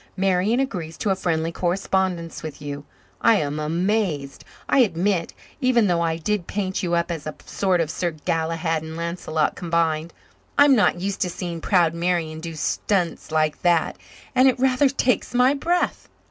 Marian agrees to a friendly correspondence with you. I am amazed, I admit even though I did paint you up as a sort of Sir Galahad and Lancelot combined. I'm not used to seeing proud Marian do stunts like that, and it rather takes my breath."